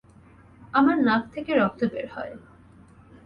আমার নাক থেকে রক্ত বের হয়।